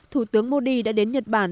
thủ tướng modi đã đến nhật bản